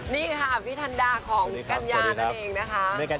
นี่ค่ะพี่ทันดาของกัญญาตัวเองนะครับ